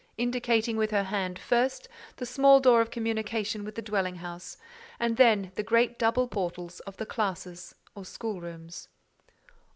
indicating with her hand, first, the small door of communication with the dwelling house, and then the great double portals of the classes or schoolrooms.